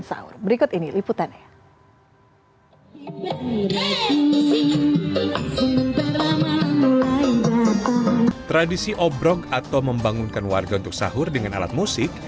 sahur berikut ini liputannya tradisi obrok atau membangunkan warga untuk sahur dengan alat musik